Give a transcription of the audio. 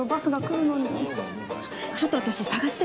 ちょっと私探してきます。